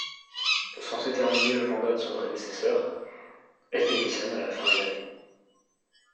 Censée terminer le mandat de son prédécesseur, elle démissionne à la fin de l’année.